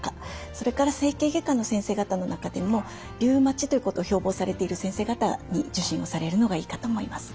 それから整形外科の先生方の中でもリウマチということを標ぼうされている先生方に受診をされるのがいいかと思います。